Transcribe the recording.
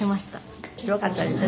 よかったですね。